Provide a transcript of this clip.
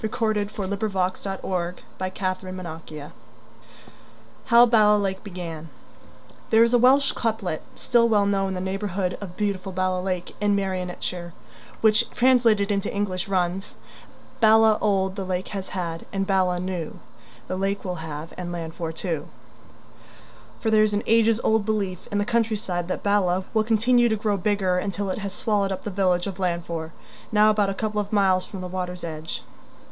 [Illustration: Welsh National Costume] HOW BALA LAKE BEGAN There is a Welsh couplet, still well known in the neighbourhood of beautiful Bala Lake in Merionethshire, which, translated into English, runs: "Bala old the lake has had, and Bala new The lake will have, and Llanfor, too." For there is an ages old belief in the countryside that Bala will continue to grow bigger until it has swallowed up the village of Llanfor, now about a couple of miles from the water's edge.